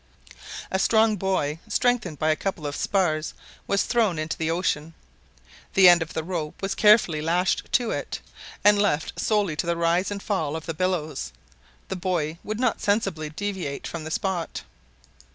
A strong buoy, strengthened by a couple of spars, was thrown into the ocean. The end of the rope was carefully lashed to it; and, left solely to the rise and fall of the billows, the buoy would not sensibly deviate from the spot.